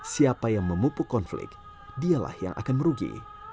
siapa yang memupuk konflik dialah yang akan merugi